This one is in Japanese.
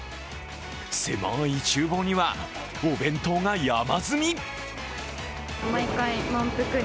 狭いちゅう房には、お弁当が山積み